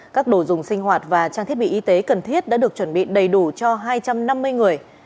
các đồ dùng sinh hoạt và trang thiết bị y tế cần thiết đã được chuẩn bị đầy đủ cho hai trăm năm mươi người